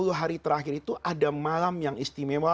sepuluh hari terakhir itu ada malam yang istimewa